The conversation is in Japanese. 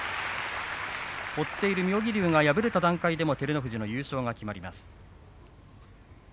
追っている妙義龍が敗れた段階でも照ノ富士の優勝が決まります。